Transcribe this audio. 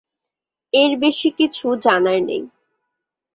এর বেশি কিছু জানার নেই।